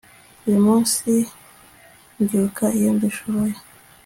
Uyu munsi mbyuka iyo mbishoboye